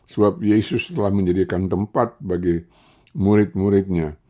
sebab yesus telah menjadikan tempat bagi murid muridnya